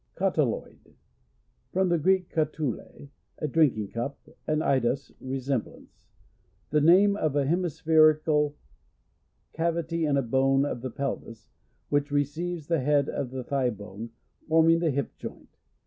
CoTYi.oiD. From the Greek, kotule, a drinking cup, and eidos, resem blance. The name of a hemisphe rical cavity in a bone of the pelvis, which receives the head of the thigh bone, forming the hip joint.